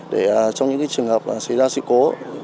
để trong những trường hợp xảy ra sự cố